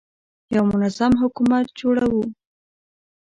یو منظم حکومت جوړوو.